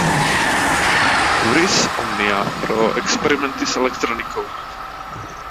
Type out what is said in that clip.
Turris Omnia pro experimenty s elektronikou